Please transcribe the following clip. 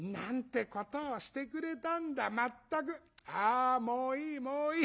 あもういいもういい。